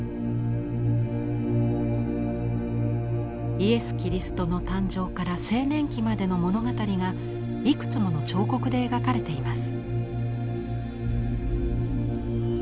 イエス・キリストの誕生から青年期までの物語がいくつもの彫刻で描かれています。